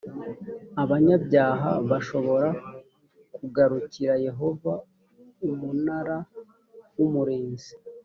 abanyabyaha bashobora kugarukira yehova umunara w umurinzi